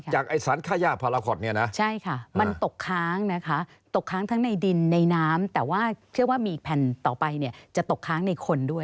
จากไอศนภาระคดมันตกค้างนะคะตกค้างทั้งในน้ำในดินแต่เชื่อว่ามีแผ่นต่อไปเนี่ยจะตกค้างในคนด้วย